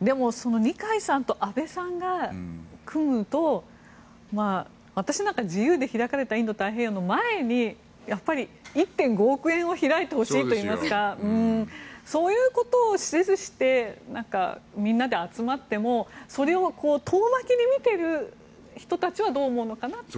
でも二階さんと安倍さんが組むと私なんか自由で開かれたインド太平洋の前にやっぱり１．５億円を開いてほしいといいますかそういうことをせずしてみんなで集まってもそれを遠巻きに見ている人たちはどう思うのかなという。